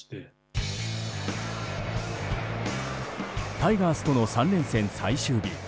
タイガースとの３連戦最終日。